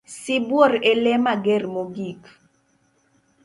Sibuor e lee mager mogik.